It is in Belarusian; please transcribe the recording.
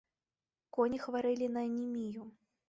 Коні хварэлі на анемію.